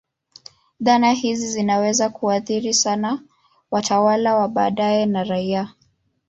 Dhana hizi zinaweza kuathiri sana watawala wa baadaye na raia.